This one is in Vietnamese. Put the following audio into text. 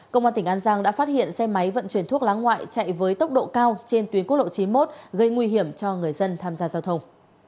công an tỉnh an giang đã phát hiện xe máy vận chuyển thuốc lá ngoại chạy với tốc độ cao trên tuyến quốc lộ chín mươi một gây nguy hiểm cho người dân tham gia giao thông